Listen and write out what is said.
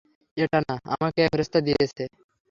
এটা না, আমাকে এক ফেরেশতা দিয়ে গেছে।